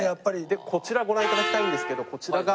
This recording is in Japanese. でこちらご覧頂きたいんですけどこちらが。